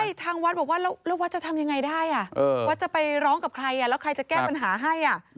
ใช่ทางวัดบอกว่าแล้ววัดจะทำยังไงได้วัดจะไปร้องกับใครแล้วใครจะแก้ปัญหาให้